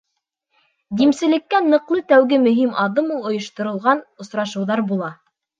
Димселеккә ныҡлы тәүге мөһим аҙым ул ойошторған осрашыуҙар була.